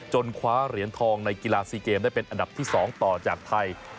คว้าเหรียญทองในกีฬา๔เกมได้เป็นอันดับที่๒ต่อจากไทย